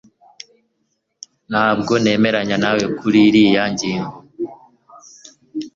Ntabwo nemeranya nawe kuriyi ngingo